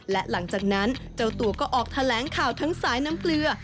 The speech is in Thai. และหลังจากนั้นเจ้าตัวก็ออกแถลงข่าวทั้งสายน้ำเกลือ